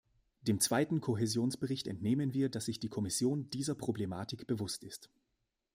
Dem zweiten Kohäsionsbericht entnehmen wir, dass sich die Kommission dieser Problematik bewusst ist.